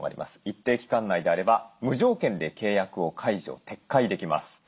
一定の期間内であれば無条件で契約を解除撤回できます。